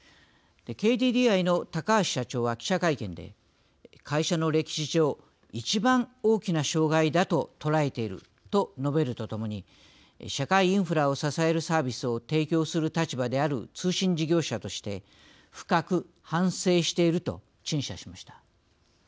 ＫＤＤＩの高橋社長は記者会見で会社の歴史上１番大きな障害だと捉えていると述べるとともに社会インフラを支えるサービスを提供する立場である通信事業者として深く反省していると陳謝しました。